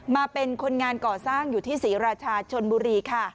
เป็นคนงานก่อสร้างอยู่ที่ศรีราชาชนบุรีค่ะ